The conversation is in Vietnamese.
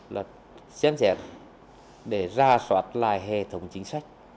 là chém chẹp để ra soát lại hệ thống chính sách